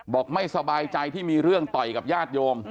ไม่สบายใจที่มีเรื่องต่อยกับญาติโยม